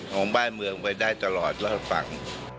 ของบ้านเมืองไปได้ตลอดรอดฝั่ง